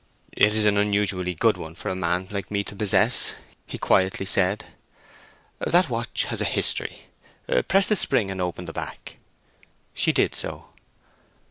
"It is an unusually good one for a man like me to possess," he quietly said. "That watch has a history. Press the spring and open the back." She did so.